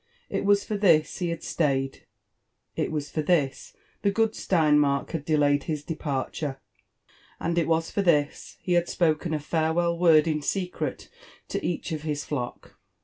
It was for this h« bad stayed* it was for (bis the good Steinmark ^d delayed his de partura, and it was foe this ho had spokea a farewell word la secret to each of his flock.